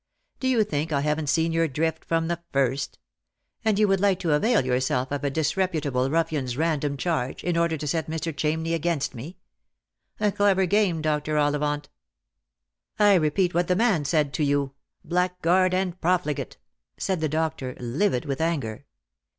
Do you think I haven't seen your drift from the first ? And you would like to avail yourself of a disreputable ruffian's random charge in order to set Mr. Chamney against me ? A clever game, Dr. Ollivant." " I repeat what that man said to you, blackguard and profli gate," cried the doctor, livid with anger.